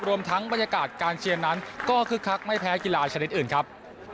รวมทั้งบรรยากาศการเชียร์นั้นก็คึกคักไม่แพ้กีฬาชนิดอื่นครับ